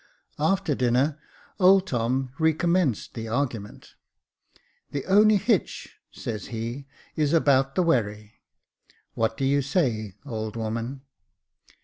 After dinner old Tom recommenced the argument. "The only hitch," says he, " is about the wherry. What do you say, old woman